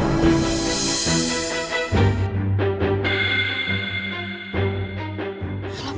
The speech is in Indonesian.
kalo udah ke purworejo